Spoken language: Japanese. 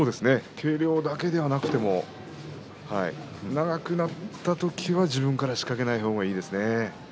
軽量だけではなくても長い相撲になった時には自分から仕掛けない方がいいですね。